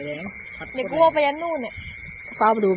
อีกคำโอ๊ยลูก